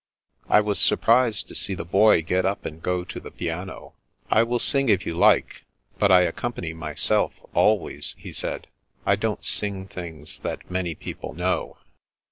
I was surprised to see the Boy get up and go to the piano. " I will sing if you like ; but I accom pany myself, always," he said. " I don't sing things that many people know."